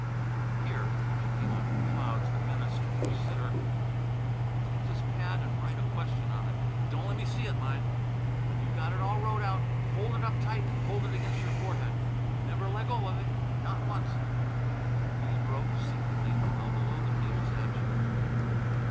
"Here" she came out of the clouds that menaced her sitter "take this pad an' write a question on it. Don't lemme see it, mind! When you got it all wrote out, fold it up tight an' hold it against your forehead. Never leggo of it, not once!" Bean wrote, secretly, well below the table's edge.